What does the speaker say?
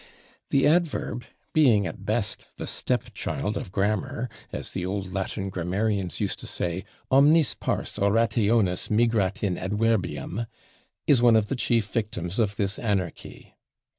The adverb, being at best the step child of grammar as the old Latin grammarians used to say, "/Omnis pars orationis migrat in adverbium/" is one of the chief victims of this anarchy.